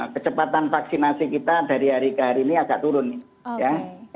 kecepatan vaksinasi kita dari hari ke hari ini agak turun nih ya